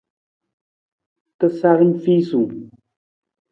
Tasaram fiisung.